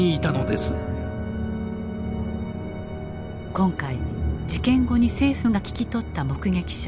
今回事件後に政府が聞き取った目撃者